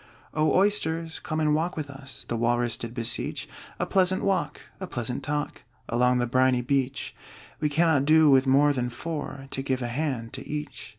"O Oysters, come and walk with us!" The Walrus did beseech. "A pleasant walk, a pleasant talk, Along the briny beach: We cannot do with more than four, To give a hand to each."